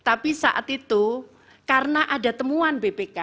tapi saat itu karena ada temuan bpk